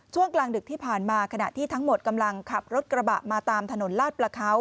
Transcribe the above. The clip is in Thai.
ช่วงกลางดึกที่ผ่านมาขณะที่ทั้งหมดกำลังขับรถกระบะมาตามถนนลาดประเขา